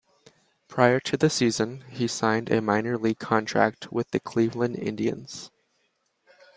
Prior to the season, he signed a minor league contract with the Cleveland Indians.